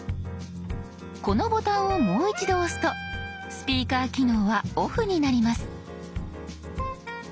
このボタンをもう一度押すとスピーカー機能はオフになります。